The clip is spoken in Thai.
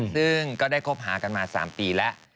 ซึ่งก็ได้คบหากันมา๓ปีแล้ว